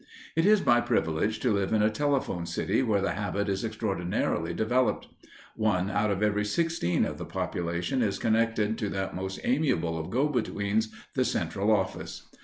It is my privilege to live in a telephone city where the habit is extraordinarily developed. One out of every sixteen of the population is connected to that most amiable of go betweens, the Central Office.